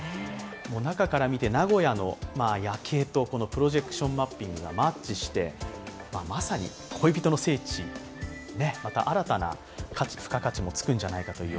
中から見て名古屋の夜景とプロジェクションマッピングがマッチして、まさに恋人の聖地、また新たな付加価値もつくんじゃないかと。